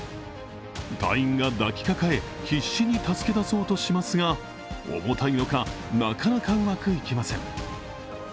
隊員が抱きかかえ、必死に助け出そうとしますが、重たいのか、なかなかうまくいきません。